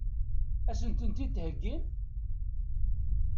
Ad as-tent-id-theggim?